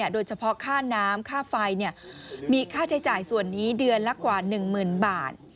โดยเฉพาะค่าน้ำค่าไฟมีค่าใช้จ่ายส่วนนี้เดือนละกว่า๑๐๐๐บาท